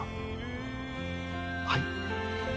はい？